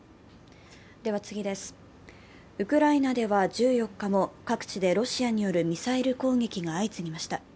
ウクライナでは１４日も各地でロシアによるミサイル攻撃が相次ぎました。